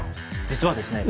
実はですね